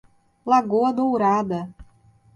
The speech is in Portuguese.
Lagoa Dourada